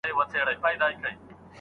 فقهاوو د طلاق په اړه څه ډول بحث کړی دی؟